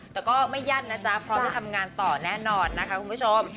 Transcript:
แต่ก็ไม่ยั่นนะจ๊ะพร้อมจะทำงานต่อแน่นอนนะคะคุณผู้ชม